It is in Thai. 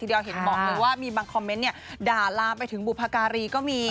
เดียวเห็นบอกเลยว่ามีบางคอมเมนต์ด่าลามไปถึงบุพการีก็มี